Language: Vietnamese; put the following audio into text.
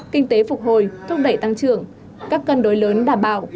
kinh tế phục hồi thúc đẩy tăng trưởng các cân đối lớn đảm bảo